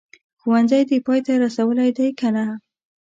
ښوونځی دي پای ته رسولی دی که نه ؟